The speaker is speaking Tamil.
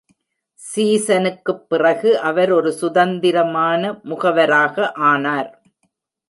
சீசனுக்குப் பிறகு அவர் ஒரு சுதந்திரமான முகவராக ஆனார்.